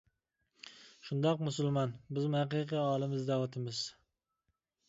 شۇنداق مۇسۇلمان، بىزمۇ ھەقىقىي ئالىم ئىزدەۋاتىمىز.